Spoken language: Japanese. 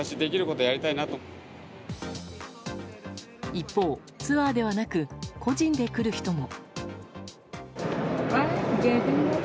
一方、ツアーではなく個人で来る人も。